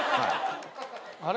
あれ？